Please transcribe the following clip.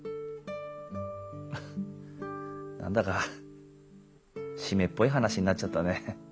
フフ何だか湿っぽい話になっちゃったね。